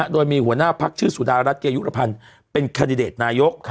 โดยมีหัวหน้าภักดิ์ชื่อสุดารัฐเกียร์ยุตรภัณฑ์เป็นคาดิเดตนายก